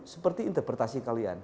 seperti interpretasi kalian